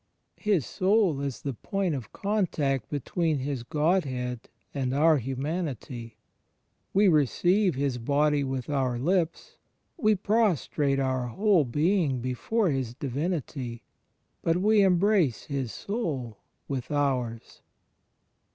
His Soul is the point of contact between His Godhead and our hmnanity . We receive His Body with our Ups; we prostrate our 14 CHRIST IN THE INTERIOR SOUL 15 whole being before His Divinity; but we embrace His Soul with ours.